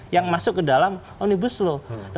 yang masuk ke dalam omnibus law